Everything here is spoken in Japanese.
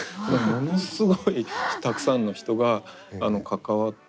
ものすごいたくさんの人が関わって。